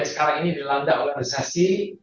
sekarang ini dilanda oleh resesi